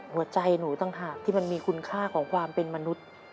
หัวใจหนูต่างหากที่มันมีคุณค่าของความเป็นมนุษย์